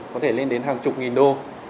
có thể lên đến hàng chục nghìn đô